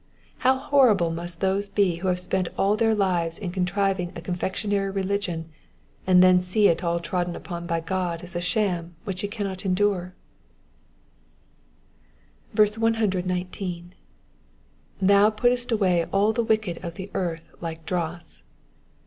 How horrified must those bo who have spent all their lives in contriving a confectionery religion, and then see it all trodden upon by God as a sham which he cannot endure I 119. ^^Thou puttest away all tlie wicked of the earth like dross.